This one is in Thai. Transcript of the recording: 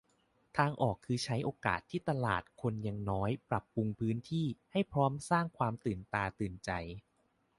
ทางออกคือใช้โอกาสที่ตลาดคนยังน้อยปรับปรุงพื้นที่ ให้พร้อมสร้างความตื่นตาตื่นใจ